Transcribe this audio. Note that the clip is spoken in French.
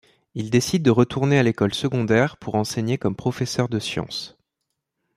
Il décide de retourner à l'école secondaire pour enseigner comme professeur de sciences.